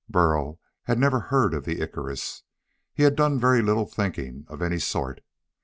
Burl had never heard of the Icarus. He had done very little thinking of any sort.